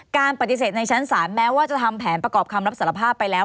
การปฏิเสธในชั้นศาลแม้ว่าจะทำแผนประกอบคำรับสารภาพไปแล้ว